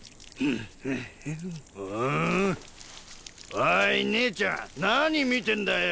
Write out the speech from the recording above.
おい姉ちゃん何見てんだよ